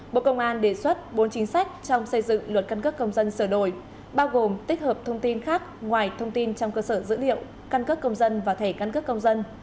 bộ công an đề xuất bốn chính sách trong xây dựng luật căng cấp công dân sửa đổi bao gồm tích hợp thông tin khác ngoài thông tin trong cơ sở dữ liệu căng cấp công dân và thẻ căng cấp công dân